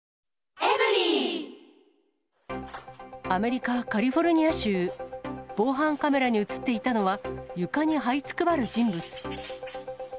アメリカ・カリフォルニア州、防犯カメラに写っていたのは、床にはいつくばる人物。